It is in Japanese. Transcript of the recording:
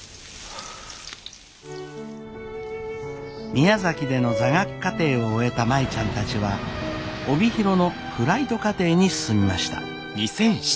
宮崎での座学課程を終えた舞ちゃんたちは帯広のフライト課程に進みました。